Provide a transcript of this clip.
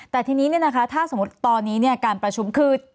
แต่ทีนี้ถ้าสมมุติตอนนี้การประชุมคือ